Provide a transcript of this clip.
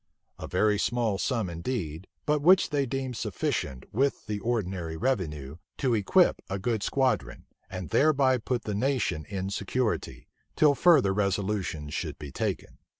a very small sum indeed; but which they deemed sufficient, with the ordinary revenue, to equip a good squadron, and thereby put the nation in security, till further resolutions should be taken.